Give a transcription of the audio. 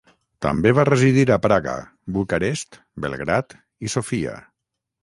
També va residir a Praga, Bucarest, Belgrad i Sofia.